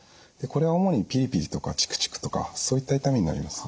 これは主にピリピリとかチクチクとかそういった痛みになりますね。